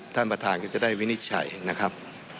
ท่านประธานก็จะได้วินิจฉัยนะครับ